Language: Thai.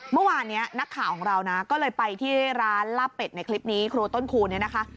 เมื่อวานนี้นักข่าวของเรานะก็เลยไปที่ร้านลาบเป็ดในคลิปนี้ครูต้นคูณเนี่ยนะคะ